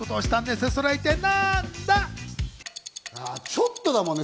ちょっとだもんね？